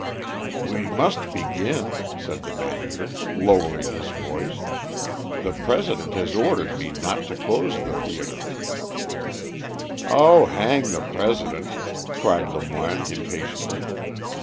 "We must begin," said the manager, lowering his voice, "the President has ordered me not to close the theatre." "Oh, hang the President!" cried Lemoine impatiently.